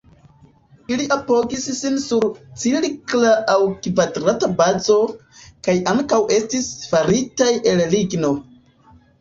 Ili apogis sin sur cirkla aŭ kvadrata bazo, kaj ankaŭ estis faritaj el ligno.